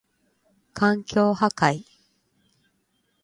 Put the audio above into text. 環境破壊